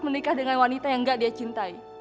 menikah dengan wanita yang gak dia cintai